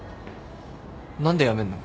何で辞めんの？